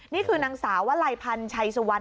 นี่คือนางสาววลัยพันธ์ชัยสุวรรณ